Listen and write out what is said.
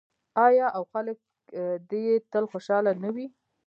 آیا او خلک دې یې تل خوشحاله نه وي؟